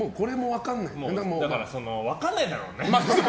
だから、分かんないだろうね。